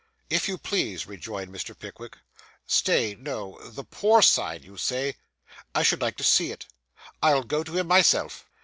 'If you please,' rejoined Mr. Pickwick. 'Stay; no. The poor side, you say? I should like to see it. I'll go to him myself.